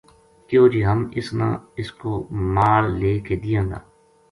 کہیو جے ہم اس نا اس کو مال لے کے دیاں گا